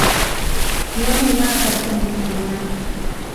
Simama imara katika misimamo yako.